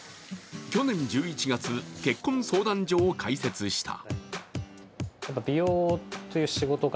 去年１１月、結婚相談所を開設した。